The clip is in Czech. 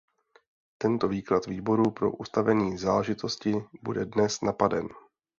Tento výklad Výboru pro ústavní záležitosti bude dnes napaden.